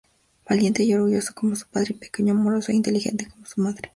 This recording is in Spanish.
Valiente y orgulloso como su padre y pequeño, amoroso e inteligente como su madre.